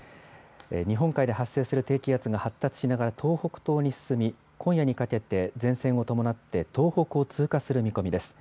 日本海で発生する低気圧が発達しながら東北東に進み、今夜にかけて、前線を伴って、東北を通過する見込みです。